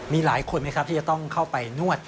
มีหลายคนไหมครับที่จะต้องเข้าไปนวด